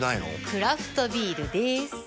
クラフトビールでーす。